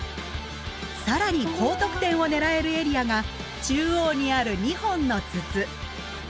更に高得点を狙えるエリアが中央にある２本の筒。